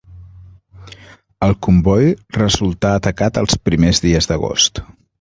El comboi resultà atacat els primers dies d'agost.